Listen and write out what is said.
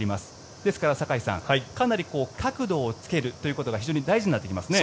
ですから、坂井さんかなり角度をつけるということが非常に大事になってきますね。